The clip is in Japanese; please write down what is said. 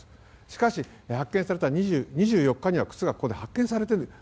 しかし、発見された２４日には靴がここで発見されているんです。